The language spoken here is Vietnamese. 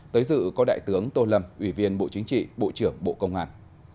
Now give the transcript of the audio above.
tới dự có đại tướng tô lâm ủy viên bộ chính trị bộ trưởng bộ công an